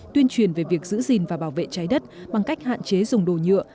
tuyên truyền về việc giữ gìn và bảo vệ trái đất bằng cách hạn chế dùng đồ nhựa